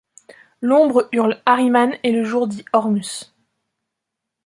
L’ombre hurle Arimane et le jour dit Ormus !